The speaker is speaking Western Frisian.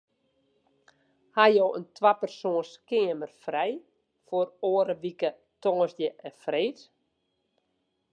Ha jo in twapersoans keamer frij foar oare wike tongersdei en freed?